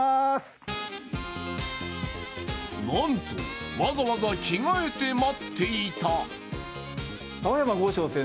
なんとわざわざ着替えて待っていた。